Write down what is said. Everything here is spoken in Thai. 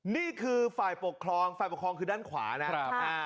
นี่คือฝ่ายปกครองฝ่ายปกครองคือด้านขวานะครับ